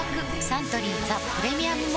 サントリー「ザ・プレミアム・モルツ」